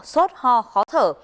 sốt ho khó thở